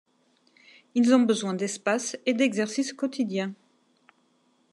Ils ont besoin d'espace et d'exercice quotidien.